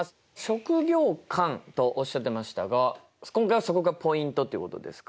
職業観とおっしゃってましたが今回はそこがポイントっていうことですか？